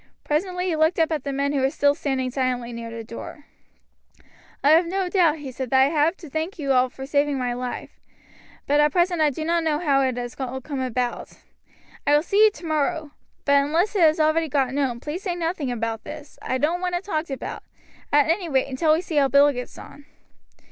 Presently he looked up at the men who were still standing silently near the door. "I have no doubt," he said, "that I have to thank you all for saving my life, but at present I do not know how it has all come about. I will see you tomorrow. But unless it has already got known, please say nothing about this. I don't want it talked about at any rate until we see how Bill gets on.